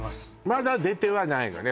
まだ出てはないのね